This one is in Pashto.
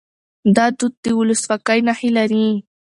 دا دود د ولسواکۍ نښې لري.